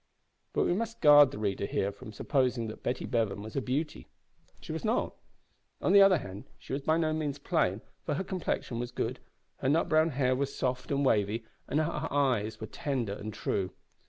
But we must guard the reader here from supposing that Betty Bevan was a beauty. She was not. On the other hand, she was by no means plain, for her complexion was good, her nut brown hair was soft and wavy, and her eyes were tender and true.